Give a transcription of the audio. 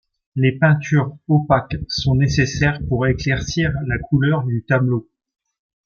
Les peintures opaques sont nécessaires pour éclaircir la couleur du tableau.